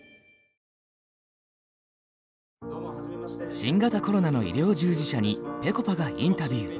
新型コロナの医療従事者にぺこぱがインタビュー。